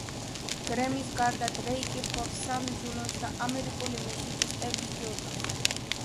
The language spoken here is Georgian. გრემის გარდა დრეიკი ფლობს სამ ჯუნოს და ამერიკული მუსიკის ექვს ჯილდოს.